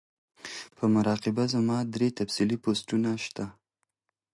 پۀ مراقبه زما درې تفصيلی پوسټونه شته